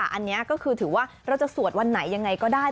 อันนี้ก็คือถือว่าเราจะสวดวันไหนยังไงก็ได้